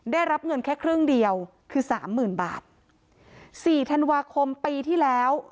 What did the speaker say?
ได้รับเงินแค่ครึ่งเดียวคือสามหมื่นบาทสี่ธันวาคมปีที่แล้ว